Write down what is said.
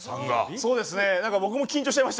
そうですね。